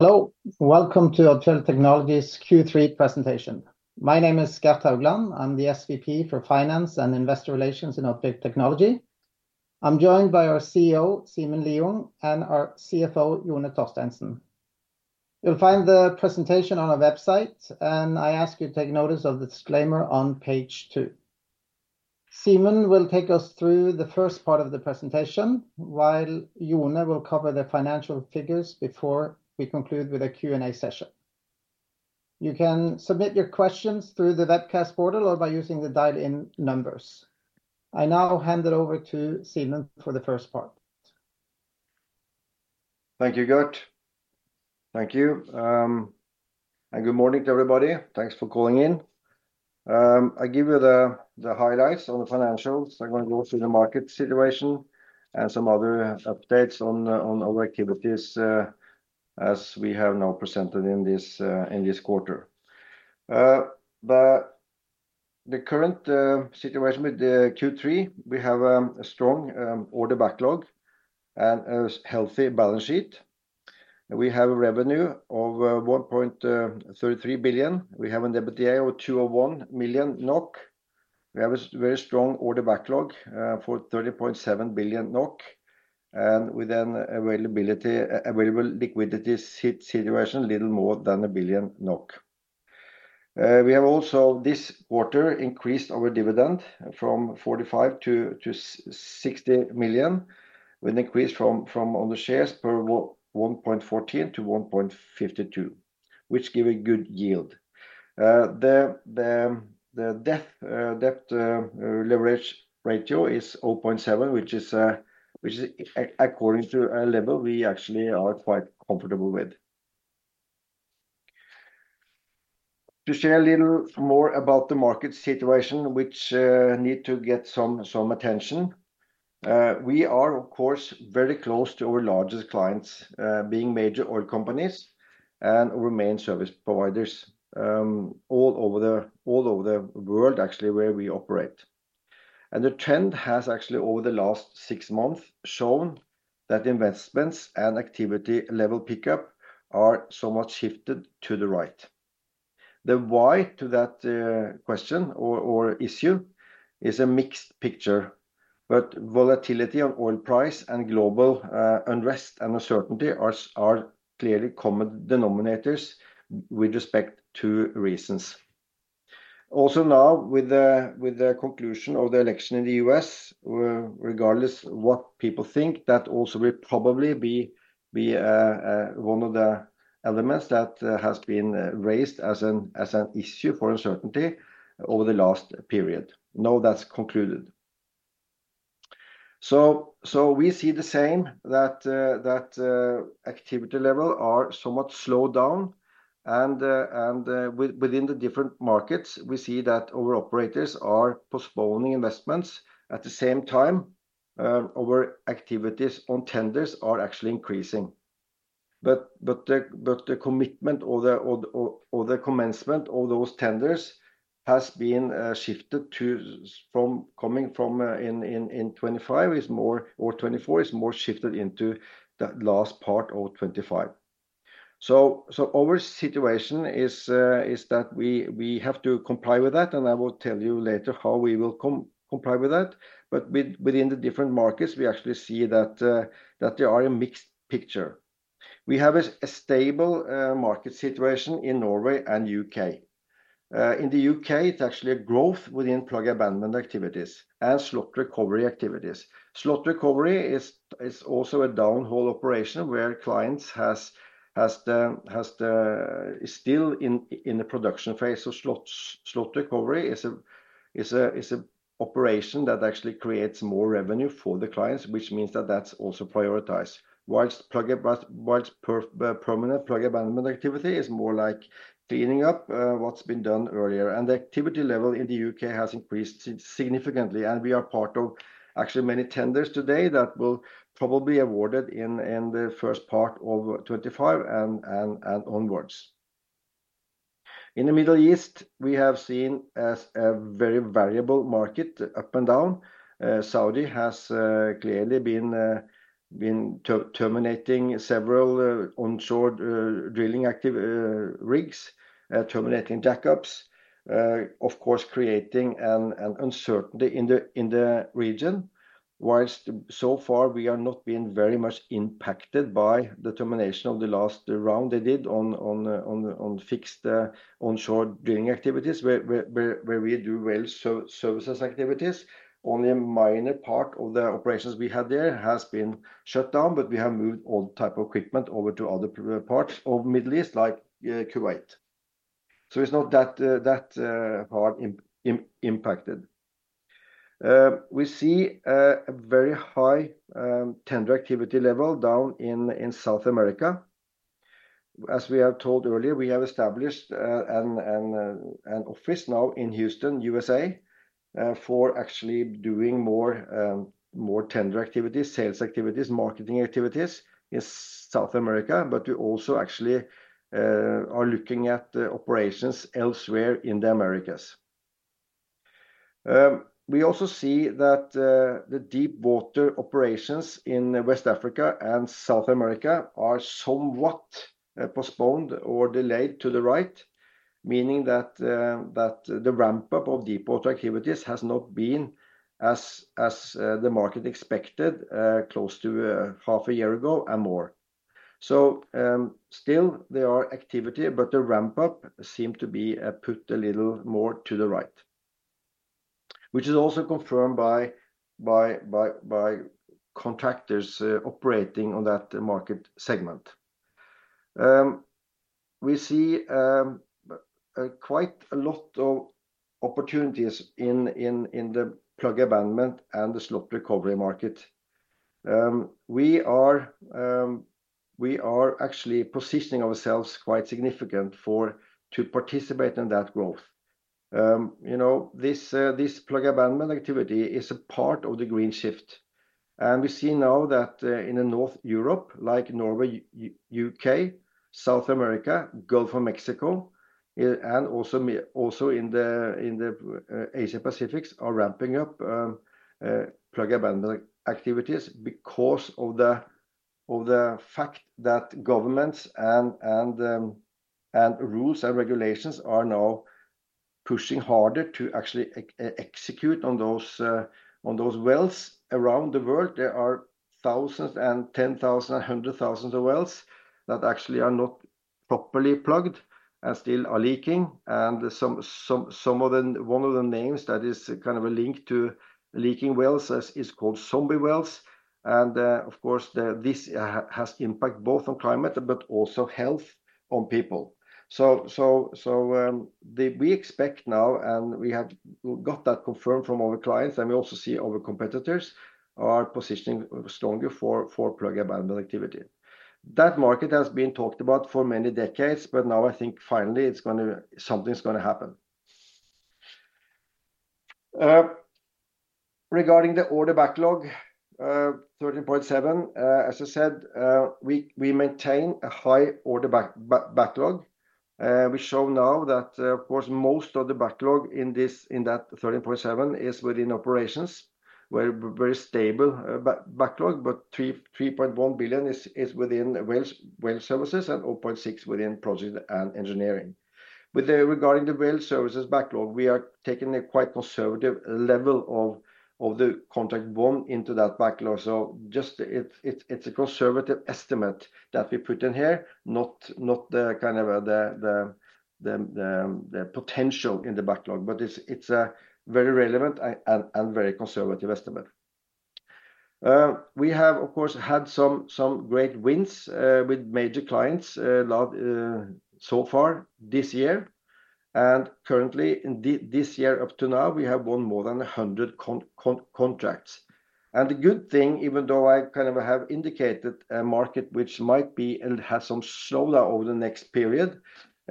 Hello, welcome to Odfjell Technology's Q3 presentation. My name is Gert Haugland. I'm the SVP for Finance and Investor Relations in Odfjell Technology. I'm joined by our CEO, Simen Lieungh, and our CFO, Jone Torstensen. You'll find the presentation on our website, and I ask you to take notice of the disclaimer on page two. Simen will take us through the first part of the presentation, while Jone will cover the financial figures before we conclude with a Q&A session. You can submit your questions through the webcast portal or by using the dial-in numbers. I now hand it over to Simen for the first part. Thank you, Gert. Thank you, and good morning to everybody. Thanks for calling in. I'll give you the highlights on the financials. I'm going to go through the market situation and some other updates on our activities as we have now presented in this quarter. The current situation with the Q3, we have a strong order backlog and a healthy balance sheet. We have a revenue of 1.33 billion. We have a debt of 201 million NOK. We have a very strong order backlog for 30.7 billion NOK. And with available liquidity situation, a little more than 1 billion NOK. We have also this quarter increased our dividend from 45 million to 60 million, with an increase from on the shares per 1.14 to 1.52, which gives a good yield. The debt leverage ratio is 0.7, which is, according to a level we actually are quite comfortable with. To share a little more about the market situation, which needs to get some attention, we are, of course, very close to our largest clients, being major oil companies and our main service providers all over the world, actually, where we operate, and the trend has actually, over the last six months, shown that investments and activity level pickup are somewhat shifted to the right. The why to that question or issue is a mixed picture, but volatility on oil price and global unrest and uncertainty are clearly common denominators with respect to reasons. Also now, with the conclusion of the election in the U.S., regardless of what people think, that also will probably be one of the elements that has been raised as an issue for uncertainty over the last period. Now that's concluded, so we see the same that activity levels are somewhat slowed down. Within the different markets, we see that our operators are postponing investments. At the same time, our activities on tenders are actually increasing. The commitment or the commencement of those tenders has been shifted from coming from in 2025 is more or 2024 is more shifted into the last part of 2025. Our situation is that we have to comply with that. I will tell you later how we will comply with that. Within the different markets, we actually see that there are a mixed picture. We have a stable market situation in Norway and U.K. In the U.K., it's actually a growth within plug and abandonment activities and slot recovery activities. Slot recovery is also a down-hole operation where clients still in the production phase. Slot recovery is an operation that actually creates more revenue for the clients, which means that that's also prioritized. While permanent plug abandonment activity is more like cleaning up what's been done earlier, and the activity level in the U.K. has increased significantly, and we are part of actually many tenders today that will probably be awarded in the first part of 2025 and onwards. In the Middle East, we have seen a very variable market up and down. Saudi has clearly been terminating several onshore drilling rigs, terminating jack-ups, of course, creating an uncertainty in the region. Whilst so far, we are not being very much impacted by the termination of the last round they did on fixed onshore drilling activities, where we do Well Services activities. Only a minor part of the operations we had there has been shut down, but we have moved all type of equipment over to other parts of the Middle East, like Kuwait, so it's not that hard impacted. We see a very high tender activity level down in South America. As we have told earlier, we have established an office now in Houston, USA, for actually doing more tender activities, sales activities, marketing activities in South America. But we also actually are looking at operations elsewhere in the Americas. We also see that the deepwater operations in West Africa and South America are somewhat postponed or delayed to the right, meaning that the ramp-up of deepwater activities has not been as the market expected close to half a year ago and more. So still, there are activities, but the ramp-up seems to be put a little more to the right, which is also confirmed by contractors operating on that market segment. We see quite a lot of opportunities in the plug and abandonment and the slot recovery market. We are actually positioning ourselves quite significantly to participate in that growth. This plug and abandonment activity is a part of the green shift, and we see now that in North Europe, like Norway, U.K., South America, Gulf of Mexico, and also in the Asia-Pacific, are ramping up plug and abandonment activities because of the fact that governments and rules and regulations are now pushing harder to actually execute on those wells around the world. There are thousands and tens of thousands and hundreds of thousands of wells that actually are not properly plugged and still are leaking, and one of the names that is kind of a link to leaking wells is called zombie wells. And of course, this has impact both on climate, but also health on people. We expect now, and we have got that confirmed from our clients, and we also see our competitors are positioning stronger for plug and abandonment activity. That market has been talked about for many decades, but now I think finally something's going to happen. Regarding the order backlog, 13.7 billion, as I said, we maintain a high order backlog. We show now that, of course, most of the backlog in that 13.7 billion is within Operations, where very stable backlog, but 3.1 billion is within Well Services and 0.6 billion within Projects & Engineering. With regard to the Well Services backlog, we are taking a quite conservative level of the contract value into that backlog. Just it's a conservative estimate that we put in here, not the kind of the potential in the backlog, but it's a very relevant and very conservative estimate. We have, of course, had some great wins with major clients so far this year. And currently, this year up to now, we have won more than 100 contracts. And the good thing, even though I kind of have indicated a market which might be and has some slowdown over the next period,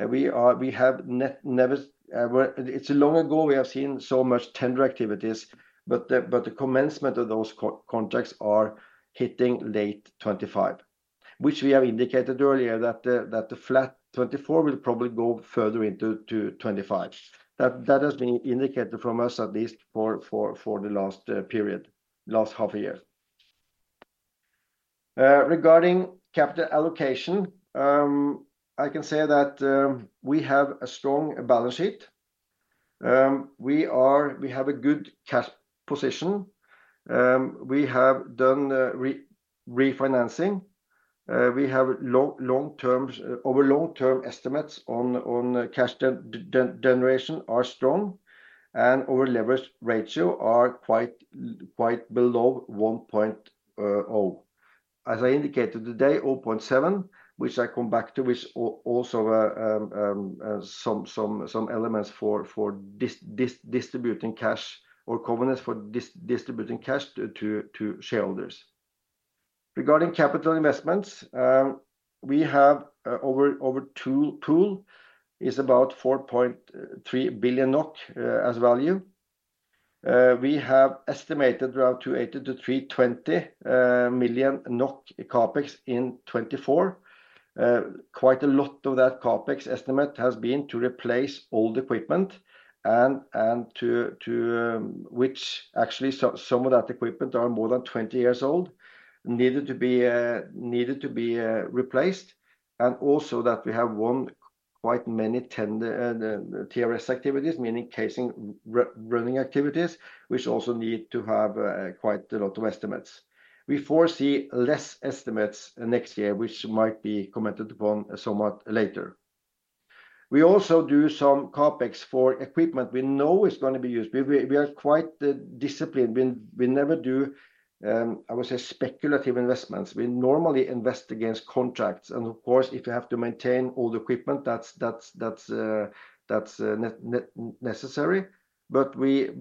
we have never, it's long ago we have seen so much tender activities, but the commencement of those contracts are hitting late 2025, which we have indicated earlier that the flat 2024 will probably go further into 2025. That has been indicated from us at least for the last period, last half a year. Regarding capital allocation, I can say that we have a strong balance sheet. We have a good cash position. We have done refinancing. We have long-term, our long-term estimates on cash generation are strong. And our leverage ratio are quite below 1.0. As I indicated today, 0.7, which I come back to with also some elements for distributing cash or covenants for distributing cash to shareholders. Regarding capital investments, our pool is about 4.3 billion NOK in value. We have estimated around 280-320 million NOK CapEx in 2024. Quite a lot of that CapEx estimate has been to replace old equipment, and which actually some of that equipment are more than 20 years old, needed to be replaced, and also that we have won quite many TRS activities, meaning casing running activities, which also need to have quite a lot of estimates. We foresee less estimates next year, which might be commented upon somewhat later. We also do some CapEx for equipment we know is going to be used. We are quite disciplined. We never do, I would say, speculative investments. We normally invest against contracts. Of course, if you have to maintain all the equipment, that's necessary. We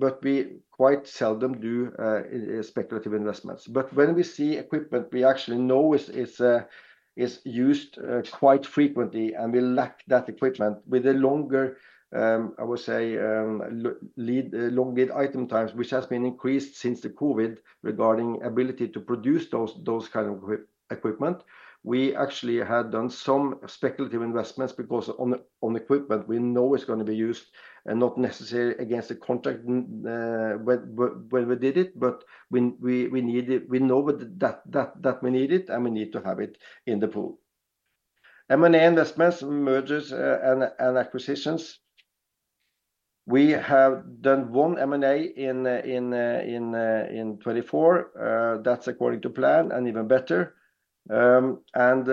quite seldom do speculative investments. When we see equipment, we actually know it's used quite frequently and we lack that equipment. With the longer, I would say, long lead item times, which has been increased since the COVID regarding ability to produce those kinds of equipment, we actually had done some speculative investments because on equipment, we know it's going to be used and not necessarily against the contract when we did it, but we know that we need it and we need to have it in the pool. M&A investments, mergers and acquisitions. We have done one M&A in 2024. That's according to plan and even better. And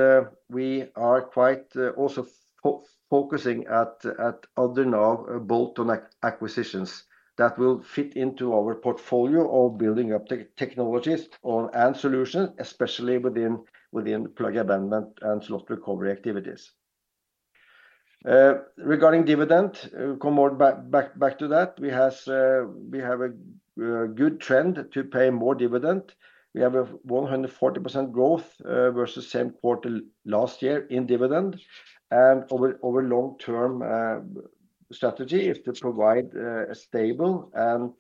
we are quite also focusing at other now, both on acquisitions that will fit into our portfolio of building up technologies and solutions, especially within plug abandonment and slot recovery activities. Regarding dividend, come back to that. We have a good trend to pay more dividend. We have a 140% growth versus same quarter last year in dividend and over long-term strategy if to provide a stable and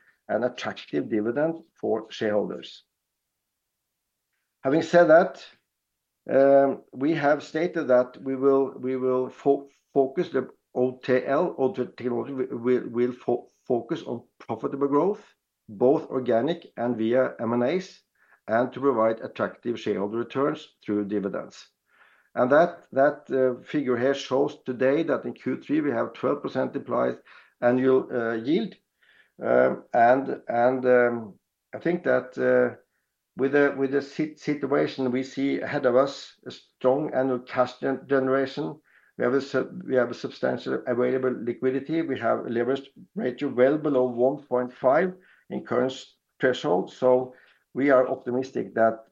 attractive dividend for shareholders. Having said that, we have stated that we will focus the OTL.OL technology, will focus on profitable growth, both organic and via M&As, and to provide attractive shareholder returns through dividends. And that figure here shows today that in Q3, we have 12% deployed annual yield. And I think that with the situation we see ahead of us, a strong annual cash generation, we have a substantial available liquidity, we have a leverage ratio well below 1.5 in current threshold. So we are optimistic that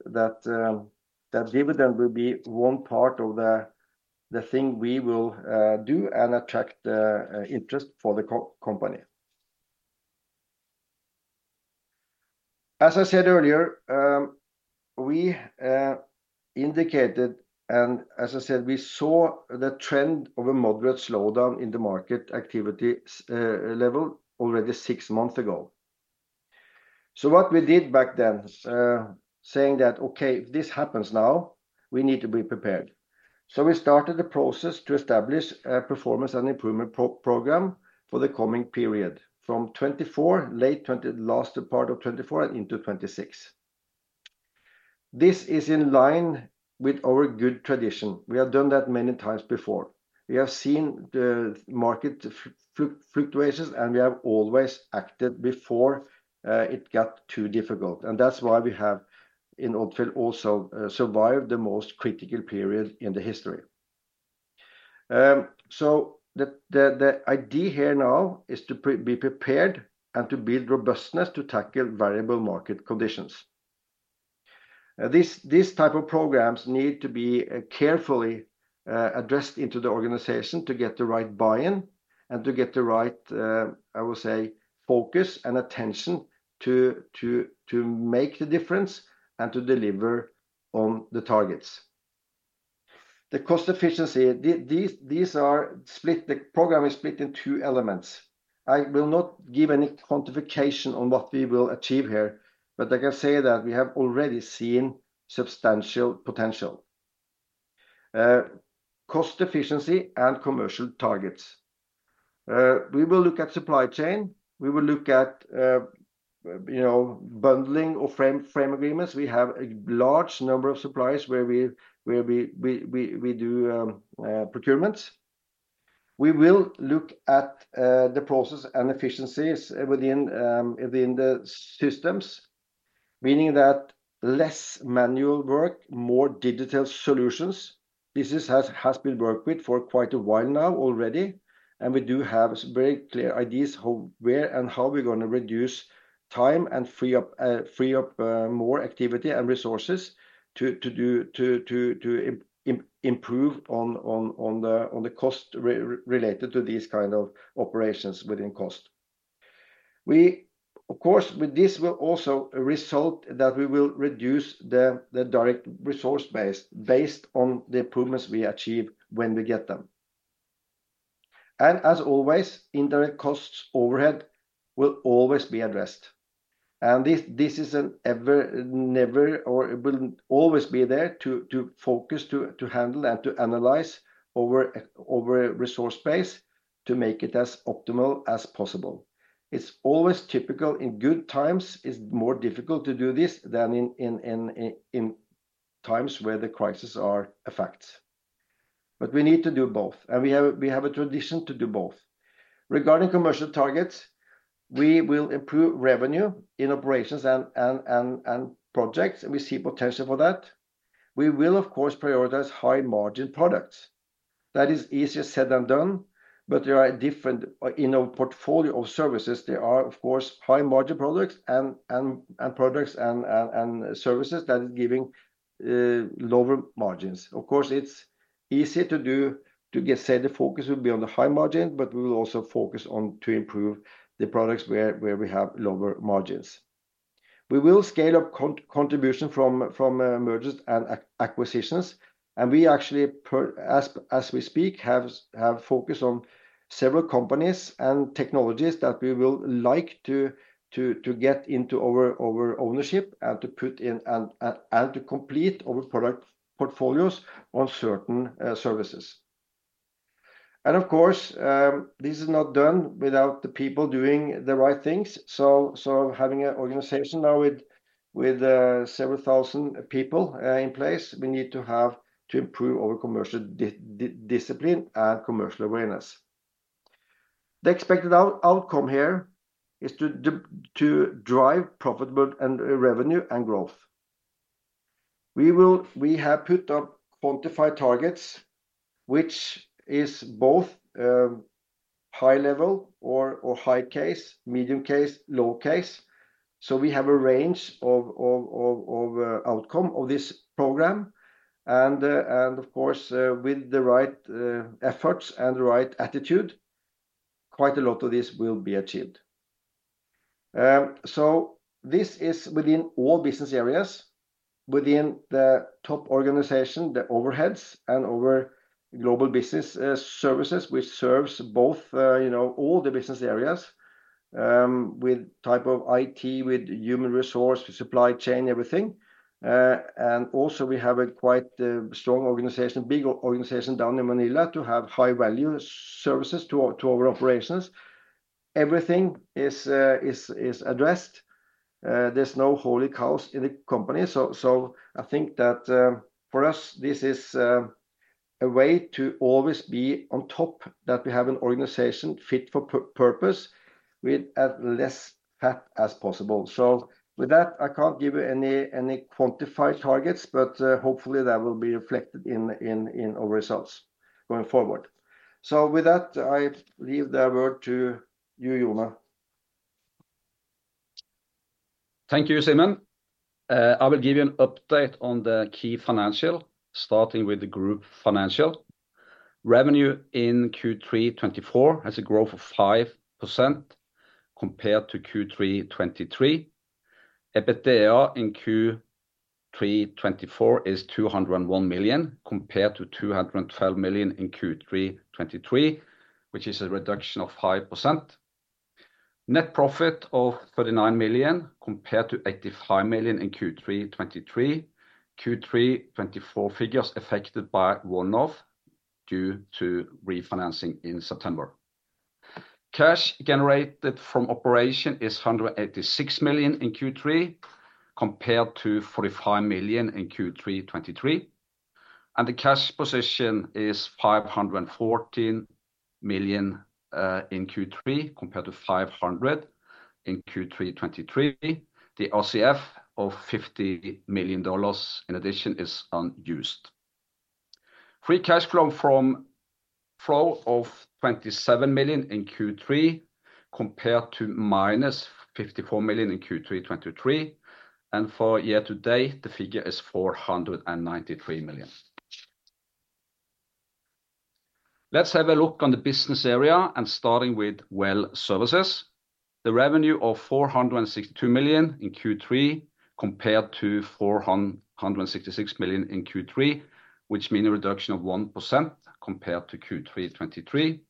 dividend will be one part of the thing we will do and attract the interest for the company. As I said earlier, we indicated, and as I said, we saw the trend of a moderate slowdown in the market activity level already six months ago. So what we did back then, saying that, okay, if this happens now, we need to be prepared. So we started the process to establish a performance and improvement program for the coming period from 2024, late last part of 2024 and into 2026. This is in line with our good tradition. We have done that many times before. We have seen the market fluctuations, and we have always acted before it got too difficult, and that's why we have in Odfjell also survived the most critical period in the history, so the idea here now is to be prepared and to build robustness to tackle variable market conditions. This type of programs need to be carefully addressed into the organization to get the right buy-in and to get the right, I would say, focus and attention to make the difference and to deliver on the targets. The cost efficiency, these are split: the program is split in two elements. I will not give any quantification on what we will achieve here, but I can say that we have already seen substantial potential. Cost efficiency and commercial targets. We will look at supply chain. We will look at bundling or frame agreements. We have a large number of suppliers where we do procurements. We will look at the process and efficiencies within the systems, meaning that less manual work, more digital solutions. This has been worked with for quite a while now already. And we do have very clear ideas of where and how we're going to reduce time and free up more activity and resources to improve on the cost related to these kinds of operations within cost. We, of course, with this will also result that we will reduce the direct resource base based on the improvements we achieve when we get them. And as always, indirect costs overhead will always be addressed. And this is an ever, never or will always be there to focus, to handle and to analyze our resource base to make it as optimal as possible. It's always typical in good times, it's more difficult to do this than in times where the crises are effects, but we need to do both and we have a tradition to do both. Regarding commercial targets, we will improve revenue in operations and projects, and we see potential for that. We will, of course, prioritize high margin products. That is easier said than done, but there are differences in our portfolio of services. There are, of course, high margin products and products and services that are giving lower margins. Of course, it's easy to say the focus will be on the high margin, but we will also focus on to improve the products where we have lower margins. We will scale up contribution from mergers and acquisitions. We actually, as we speak, have focused on several companies and technologies that we will like to get into our ownership and to put in and to complete our product portfolios on certain services. Of course, this is not done without the people doing the right things. Having an organization now with several thousand people in place, we need to have to improve our commercial discipline and commercial awareness. The expected outcome here is to drive profitable revenue and growth. We have put up quantified targets, which is both high level or high case, medium case, low case. We have a range of outcome of this program. Of course, with the right efforts and the right attitude, quite a lot of this will be achieved. This is within all business areas, within the top organization, the overheads and our Global Business Services, which serves both all the business areas with types of IT, with human resources, supply chain, everything. We also have a quite strong organization, a big organization down in Manila to have high-value services to our operations. Everything is addressed. There's no sacred cows in the company. I think that for us, this is a way to always be on top that we have an organization fit for purpose with as less fat as possible. With that, I can't give you any quantified targets, but hopefully that will be reflected in our results going forward. With that, I leave the word to you, Jone. Thank you, Simen. I will give you an update on the key financials, starting with the group financials. Revenue in Q3 2024 has a growth of 5% compared to Q3 2023. EBITDA in Q3 2024 is 201 million compared to 212 million in Q3 2023, which is a reduction of 5%. Net profit of 39 million compared to 85 million in Q3 2023. Q3 2024 figures affected by one off due to refinancing in September. Cash generated from operations is 186 million in Q3 compared to 45 million in Q3 2023. And the cash position is 514 million in Q3 compared to 500 million in Q3 2023. The RCF of $50 million in addition is unused. Free cash flow of 27 million in Q3 compared to -54 million in Q3 2023. And for year to date, the figure is 493 million. Let's have a look at the business areas and starting with Well Services. The revenue of 462 million in Q3 2024 compared to 466 million in Q3 2023, which means a reduction of 1% compared to Q3 2023.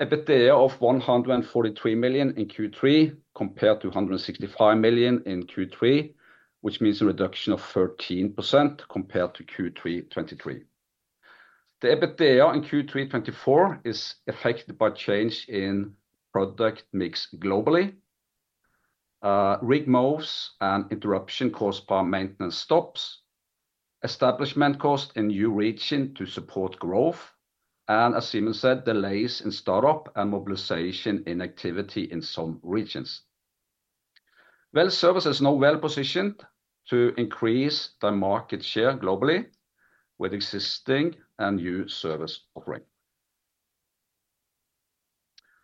EBITDA of 143 million in Q3 2024 compared to 165 million in Q3 2023, which means a reduction of 13% compared to Q3 2023. The EBITDA in Q3 2024 is affected by change in product mix globally, rig moves and interruption caused by maintenance stops, establishment cost in new region to support growth, and as Simen said, delays in startup and mobilization in activity in some regions. Well Services are now well positioned to increase their market share globally with existing and new service offering.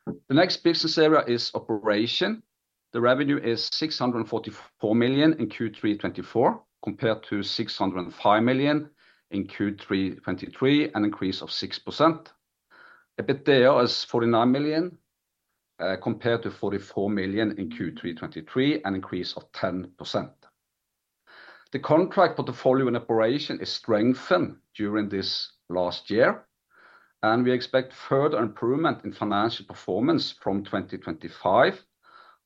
The next business area is Operations. The revenue is 644 million in Q3 2024 compared to 605 million in Q3 2023 and increase of 6%. EBITDA is 49 million compared to 44 million in Q3 2023 and increase of 10%. The contract portfolio and operation is strengthened during this last year. We expect further improvement in financial performance from 2025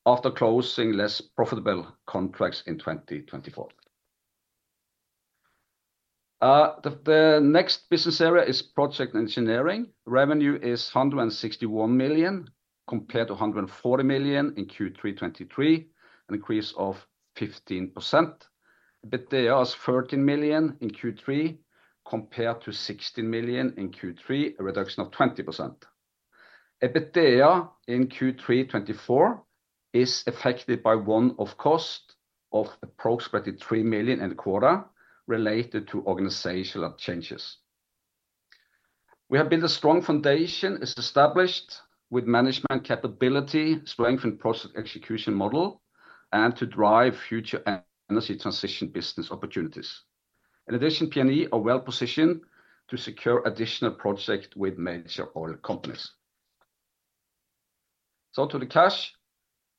after closing less profitable contracts in 2024. The next business area is Projects & Engineering. Revenue is 161 million compared to 140 million in Q3 2023 and increase of 15%. EBITDA is 13 million in Q3 compared to 16 million in Q3 2023, a reduction of 20%. EBITDA in Q3 2024 is affected by one-off cost of approximately 3.25 million related to organizational changes. We have built a strong foundation established with management capability, strengthened project execution model, and to drive future energy transition business opportunities. In addition, P&E are well positioned to secure additional projects with major oil companies. To the cash,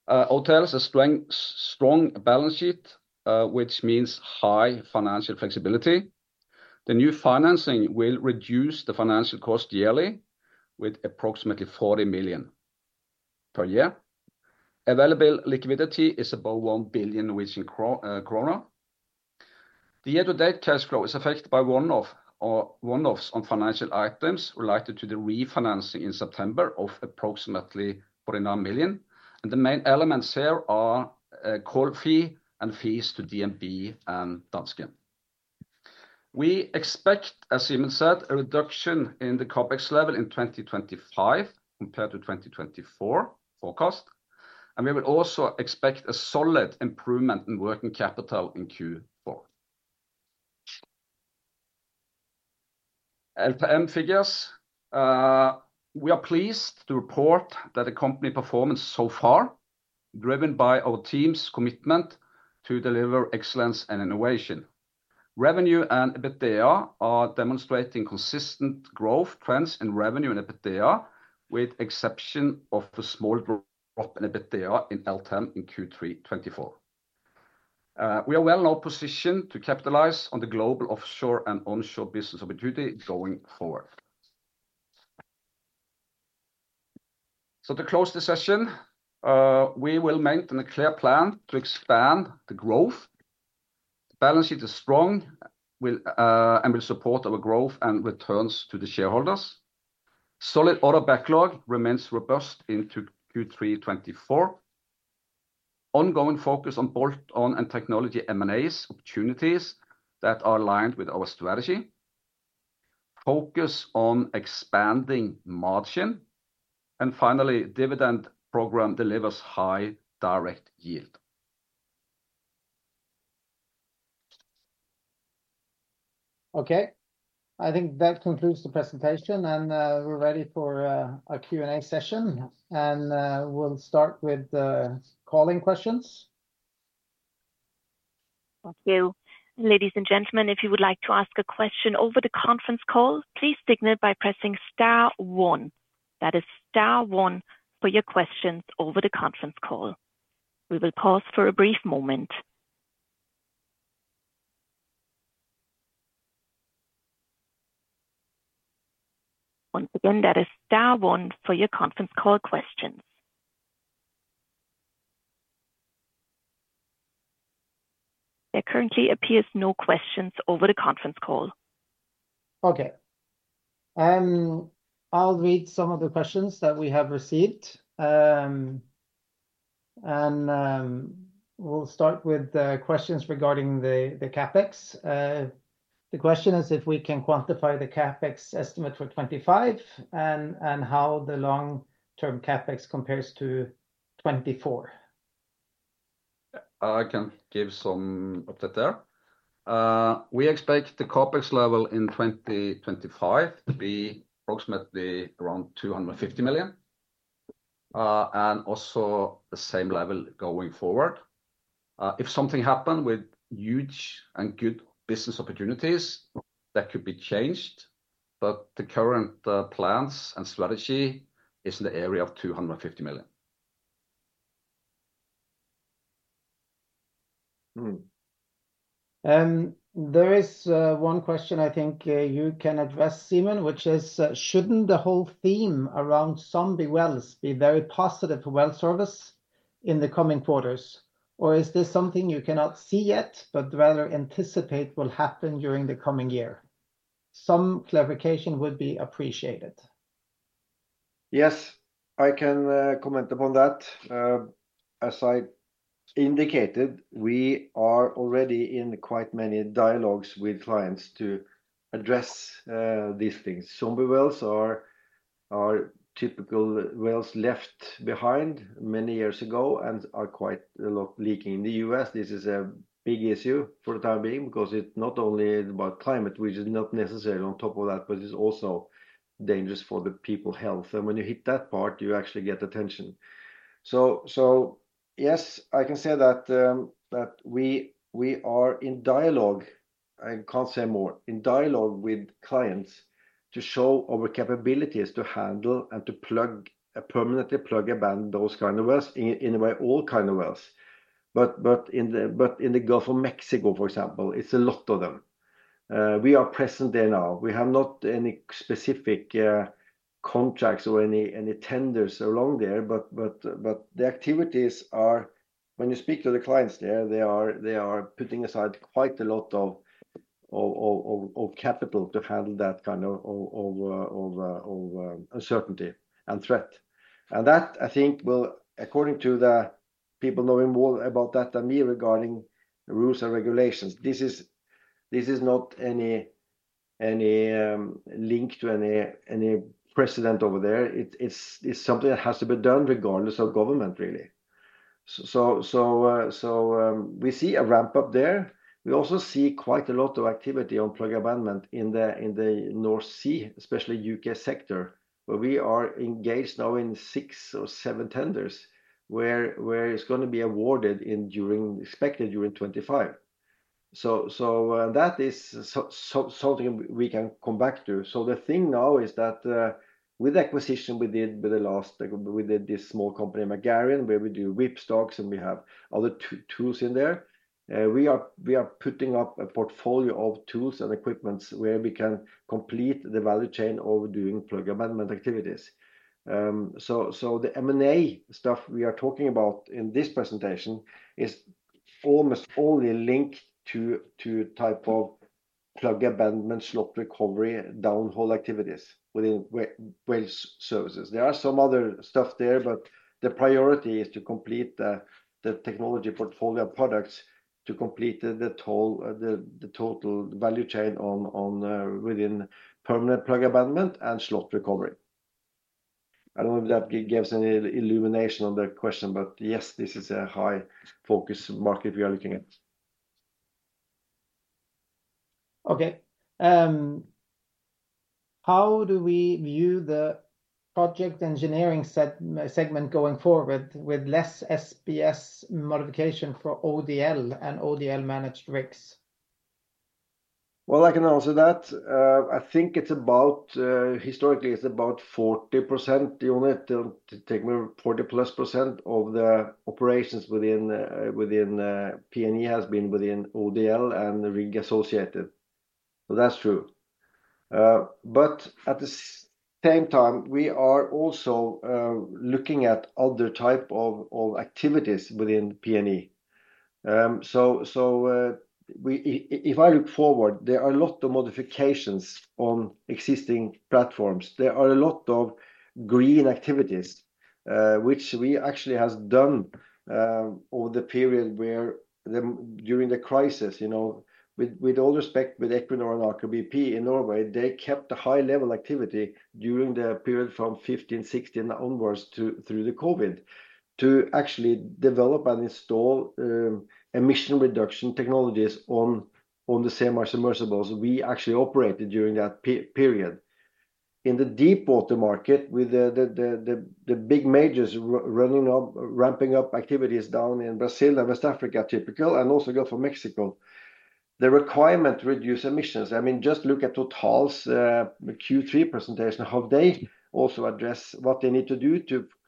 Odfjell has a strong balance sheet, which means high financial flexibility. The new financing will reduce the financial cost yearly with approximately 40 million per year. Available liquidity is above 1 billion. The year-to-date cash flow is affected by one offs on financial items related to the refinancing in September of approximately 49 million, and the main elements here are call fee and fees to DNB and Danske. We expect, as Simen said, a reduction in the CapEx level in 2025 compared to 2024 forecast, and we will also expect a solid improvement in working capital in Q4. LTM figures. We are pleased to report that the company performance so far, driven by our team's commitment to deliver excellence and innovation. Revenue and EBITDA are demonstrating consistent growth trends in revenue and EBITDA, with the exception of a small drop in EBITDA in LTM in Q3 2024. We are well now positioned to capitalize on the global offshore and onshore business opportunity going forward, so to close the session, we will maintain a clear plan to expand the growth. Balance sheet is strong and will support our growth and returns to the shareholders. Solid order backlog remains robust into Q3 2024. Ongoing focus on bolt-on and technology M&A opportunities that are aligned with our strategy. Focus on expanding margin, and finally, dividend program delivers high direct yield. Okay, I think that concludes the presentation, and we're ready for a Q&A session, and we'll start with the calling questions. Thank you. Ladies and gentlemen, if you would like to ask a question over the conference call, please signal by pressing Star 1. That is Star 1 for your questions over the conference call. We will pause for a brief moment. Once again, that is Star 1 for your conference call questions. There currently appears no questions over the conference call. Okay. I'll read some of the questions that we have received. And we'll start with questions regarding the CapEx. The question is if we can quantify the CapEx estimate for 2025 and how the long-term CapEx compares to 2024. I can give some update there. We expect the CapEx level in 2025 to be approximately around 250 million. And also the same level going forward. If something happened with huge and good business opportunities, that could be changed. But the current plans and strategy is in the area of 250 million. And there is one question I think you can address, Simen, which is, shouldn't the whole theme around zombie wells be very positive for well service in the coming quarters? Or is this something you cannot see yet, but rather anticipate will happen during the coming year? Some clarification would be appreciated. Yes, I can comment upon that. As I indicated, we are already in quite many dialogues with clients to address these things. Some wells are typical wells left behind many years ago and are quite leaking in the U.S. This is a big issue for the time being because it's not only about climate, which is not necessarily on top of that, but it's also dangerous for the people's health. And when you hit that part, you actually get attention. So yes, I can say that we are in dialogue. I can't say more. In dialogue with clients to show our capabilities to handle and to permanently plug and abandon those kinds of wells in all kinds of wells. But in the Gulf of Mexico, for example, it's a lot of them. We are present there now. We have not any specific contracts or any tenders along there, but the activities are, when you speak to the clients there, they are putting aside quite a lot of capital to handle that kind of uncertainty and threat. And that, I think, will, according to the people knowing more about that than me regarding rules and regulations, this is not any link to any president over there. It's something that has to be done regardless of government, really. So we see a ramp up there. We also see quite a lot of activity on plug abandonment in the North Sea, especially UK sector, where we are engaged now in six or seven tenders where it's going to be awarded, expected during 2025. That is something we can come back to. The thing now is that with the acquisition we did with the last, we did this small company McGarian, where we do whipstocks and we have other tools in there. We are putting up a portfolio of tools and equipment where we can complete the value chain of doing plug abandonment activities. The M&A stuff we are talking about in this presentation is almost only linked to type of plug abandonment, slot recovery, downhole activities within Well Services. There are some other stuff there, but the priority is to complete the technology portfolio products to complete the total value chain within permanent plug abandonment and slot recovery. I don't know if that gives any illumination on the question, but yes, this is a high-focus market we are looking at. Okay. How do we view the Projects & Engineering segment going forward with less SPS modification for ODL and ODL-managed rigs? Well, I can answer that. I think it's about, historically, it's about 40%, Jone, to take me 40 plus percent of the operations within P&E has been within ODL and rig associated. So that's true. But at the same time, we are also looking at other types of activities within P&E. So if I look forward, there are a lot of modifications on existing platforms. There are a lot of green activities, which we actually have done over the period where during the crisis, you know, with all respect with Equinor and Aker BP in Norway, they kept a high-level activity during the period from 2015, 2016 onwards through the COVID to actually develop and install emission-reduction technologies on the same semi-submersible we actually operated during that period. In the deep water market, with the big majors ramping up activities down in Brazil and West Africa, typically, and also Gulf of Mexico, the requirement to reduce emissions, I mean, just look at Total's Q3 presentation, how they also address what they need to do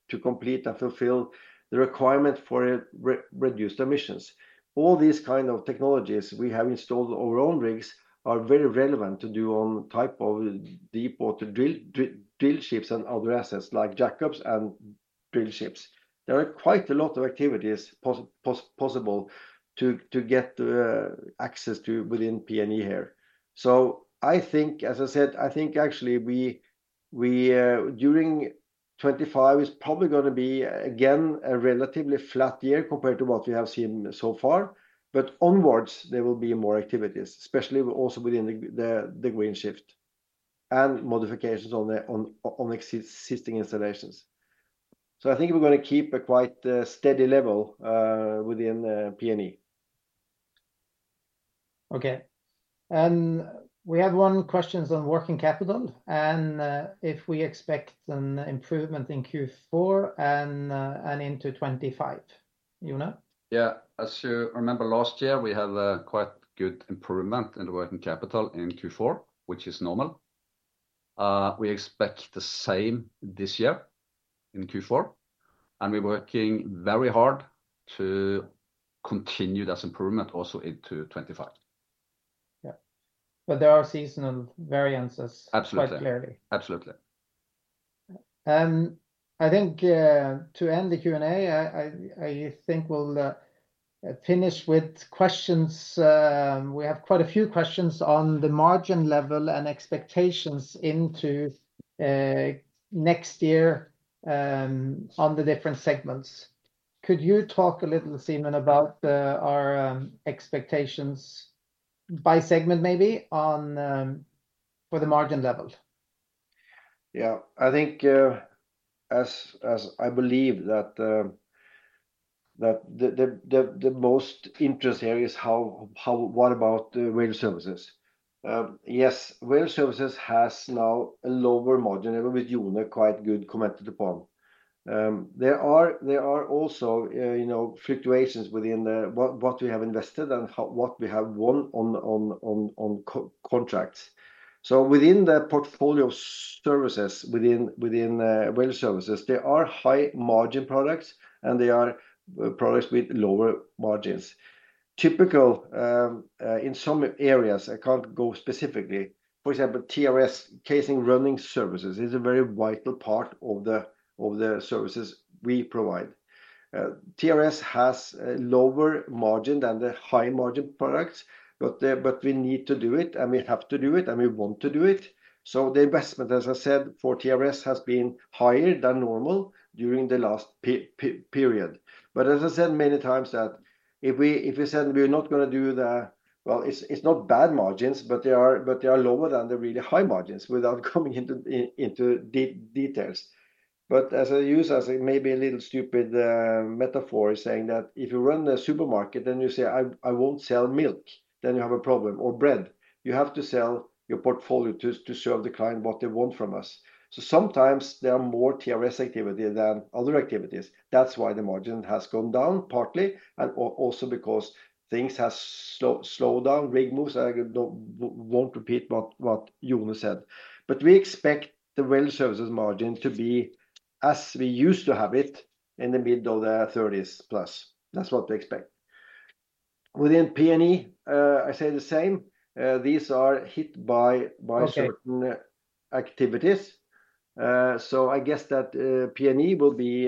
to complete and fulfill the requirement for reduced emissions. All these kinds of technologies we have installed on our own rigs are very relevant to do on type of deep water drillships and other assets like jack-ups and drillships. There are quite a lot of activities possible to get access to within P&E here. So I think, as I said, I think actually during 2025 is probably going to be again a relatively flat year compared to what we have seen so far. But onwards, there will be more activities, especially also within the green shift and modifications on existing installations. So I think we're going to keep a quite steady level within P&E. Okay. And we have one question on working capital. And if we expect an improvement in Q4 and into 2025, Jone? Yeah, as you remember, last year, we had quite good improvement in the working capital in Q4, which is normal. We expect the same this year in Q4. And we're working very hard to continue that improvement also into 2025. Yeah. But there are seasonal variances quite clearly. Absolutely. Absolutely. And I think to end the Q&A, I think we'll finish with questions. We have quite a few questions on the margin level and expectations into next year on the different segments. Could you talk a little, Simen, about our expectations by segment, maybe, for the margin level? Yeah, I think, as I believe that the most interest here is how, what about the Well Services? Yes, Well Services has now a lower margin level with Jone quite good commented upon. There are also fluctuations within what we have invested and what we have won on contracts. So within the portfolio of services within Well Services, there are high-margin products, and they are products with lower margins. Typical in some areas, I can't go specifically. For example, TRS casing running services is a very vital part of the services we provide. TRS has a lower margin than the high-margin products, but we need to do it, and we have to do it, and we want to do it. So the investment, as I said, for TRS has been higher than normal during the last period. But as I said many times, that if we said we're not going to do the, well, it's not bad margins, but they are lower than the really high margins without coming into details. But as I use, as maybe a little stupid metaphor, is saying that if you run a supermarket and you say, "I won't sell milk," then you have a problem or bread. You have to sell your portfolio to serve the client what they want from us. So sometimes there are more TRS activity than other activities. That's why the margin has gone down partly, and also because things have slowed down, rig moves. I won't repeat what Jone said. But we expect the Well Services margin to be as we used to have it in the mid-30s plus. That's what we expect. Within P&E, I say the same. These are hit by certain activities. So I guess that P&E will be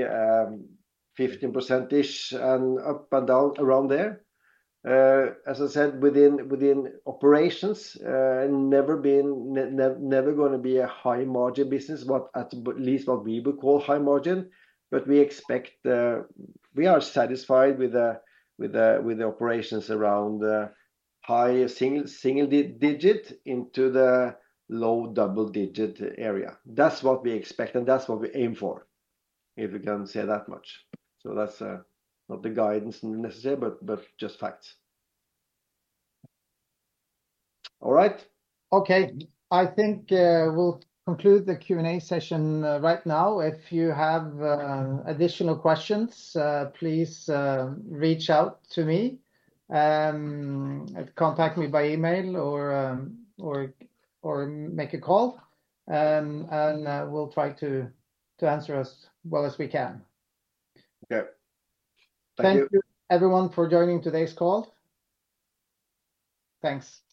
15%-ish and up and down around there. As I said, within operations, never going to be a high-margin business, at least what we would call high-margin. But we expect we are satisfied with the operations around high single-digit into the low double-digit area. That's what we expect, and that's what we aim for, if we can say that much. So that's not the guidance necessary, but just facts. All right. Okay. I think we'll conclude the Q&A session right now. If you have additional questions, please reach out to me. Contact me by email or make a call, and we'll try to answer as well as we can. Okay. Thank you. Thank you, everyone, for joining today's call. Thanks.